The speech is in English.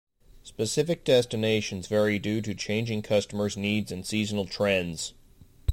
Specific destinations vary due to changing customer's needs and seasonal trends.